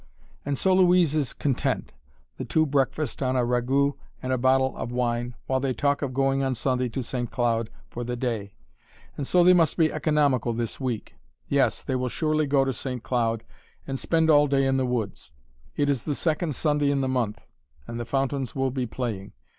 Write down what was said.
And so Louise is content. The two breakfast on a ragoût and a bottle of wine while they talk of going on Sunday to St. Cloud for the day and so they must be economical this week. Yes, they will surely go to St. Cloud and spend all day in the woods. It is the second Sunday in the month, and the fountains will be playing.